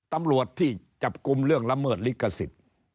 ตำรวจที่จับกลุ่มเรื่องละเมิดลิขสิทธิ์